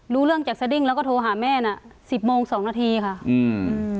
รู้เรื่องจากสดิ้งแล้วก็โทรหาแม่น่ะสิบโมงสองนาทีค่ะอืม